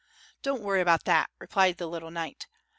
"Don't worry about that," replied the little knight.